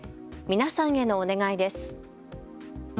皆さんへのお願いです。